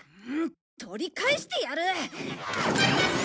取り返してやる。